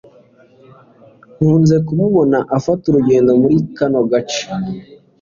Nkunze kumubona afata urugendo muri kano gace